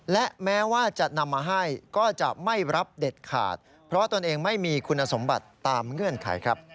และแม้ว่าจะนำมาให้ก็จะไม่รับเด็ดขาดเพราะตนเองไม่มีคุณสมบัติตามเงื่อนไขครับ